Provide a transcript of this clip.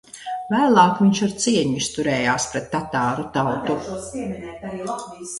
Vēlāk viņš ar cieņu izturējās pret tatāru tautu.